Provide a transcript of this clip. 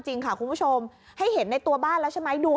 จริงค่ะคุณผู้ชมให้เห็นในตัวบ้านแล้วใช่ไหมดู